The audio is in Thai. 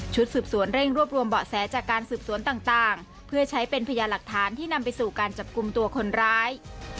สืบสวนเร่งรวบรวมเบาะแสจากการสืบสวนต่างเพื่อใช้เป็นพยานหลักฐานที่นำไปสู่การจับกลุ่มตัวคนร้าย